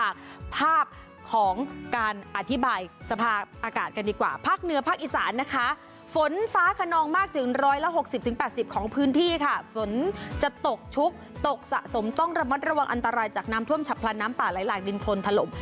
ของพื้นที่ค่ะฝนจะตกชุกตกสะสมต้องระมัดระวังอันตรายจากน้ำท่วมฉับพลาน้ำป่าลายหลายดินคนทะลม